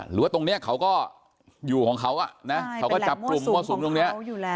หรือว่าตรงนี้เขาก็อยู่ของเขาอ่ะนะเขาก็จับกลุ่มมั่วสุมตรงนี้